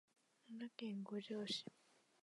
奈良県五條市